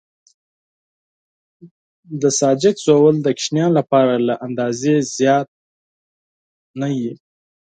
د ژاولې ژوول د ماشومانو لپاره له اندازې زیات نه وي.